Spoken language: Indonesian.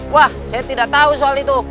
wah saya tidak tahu soal itu